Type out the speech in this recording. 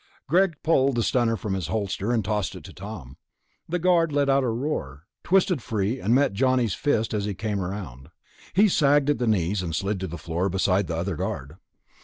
Greg pulled the stunner from his holster and tossed it to Tom. The guard let out a roar, twisted free, and met Johnny's fist as he came around. He sagged at the knees and slid to the floor beside the other guard.